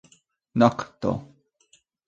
nokto